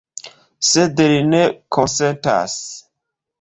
Sed li ne konsentas.